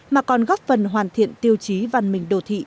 mà còn góp phần hoàn thiện tiêu chí văn minh đồ thị